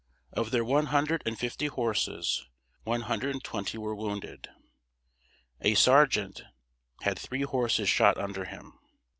Of their one hundred and fifty horses, one hundred and twenty were wounded. A sergeant had three horses shot under him.